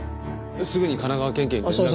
すぐに神奈川県警に連絡。